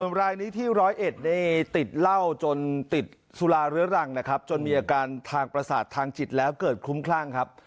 ร้อยเอ็ดในติดเล่าจนติดสุรารื้อรังจนมีอาการทางปราศาสตร์ทางจิตแล้วเกิดคุ้มคลั่ง